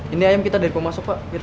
ini ayam kita dari pemasok pak